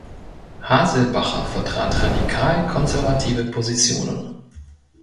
Haselbacher vertrat radikal konservative Positionen.